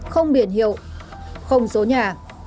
không biển hiệu không số nhà